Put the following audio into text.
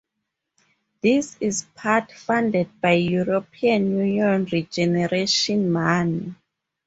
This is part funded by European Union regeneration money.